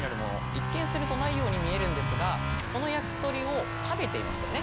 一見するとないように見えるんですがこの焼き鳥を食べていましたよね。